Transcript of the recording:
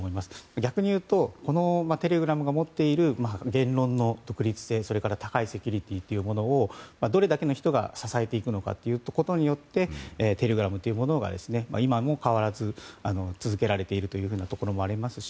逆に言うと、テレグラムが持っている言論の独立性それから高いセキュリティーというものをどれだけの人が支えていくのかということによってテレグラムというものが今も変わらず続けられているというふうなところもありますし